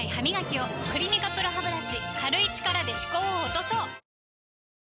「クリニカＰＲＯハブラシ」軽い力で歯垢を落とそう！